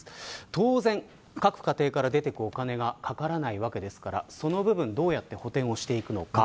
当然、各家庭から出ていくお金がかからないわけですからその部分、どうやって補てんをしていくのか。